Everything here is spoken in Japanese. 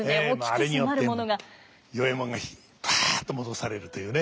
あれによって与右衛門がぱっと戻されるというね。